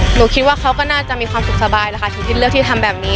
หนูคิดว่าเขาก็น่าจะมีความสุขสบายแล้วค่ะถึงที่เลือกที่ทำแบบนี้